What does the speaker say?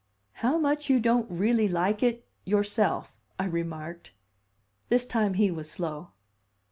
"How much you don't 'really like it' yourself!" I remarked. This time he was slow.